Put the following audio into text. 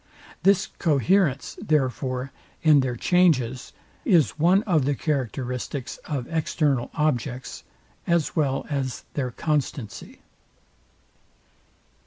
This coherence, therefore, in their changes is one of the characteristics of external objects, as well as their constancy.